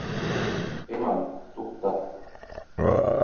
Ғилман, туҡтап: